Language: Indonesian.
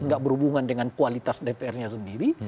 gak berhubungan dengan kualitas dpr nya sendiri